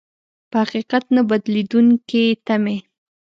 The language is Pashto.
په حقيقت نه بدلېدونکې تمې.